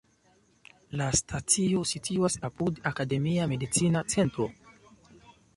La stacio situas apud "Akademia Medicina Centro".